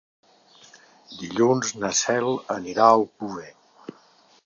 Dilluns na Cel anirà a Alcover.